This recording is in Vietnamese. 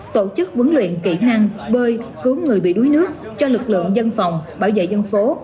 tổ chức huấn luyện kỹ năng bơi cứu người bị đuối nước cho lực lượng dân phòng bảo vệ dân phố